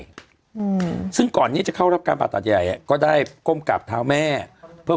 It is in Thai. ลายซึ่งก่อนนี้จะเข้ารับการปรากฏใหญ่ก็ได้ก้มกับแถวแม่เพื่อ